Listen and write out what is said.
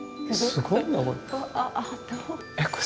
すごいねこれ。